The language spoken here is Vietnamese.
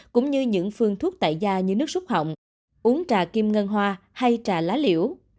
cũng như những phương thuốc tại da như nước xúc hỏng uống trà kim ngân hoa hay trà lá liễu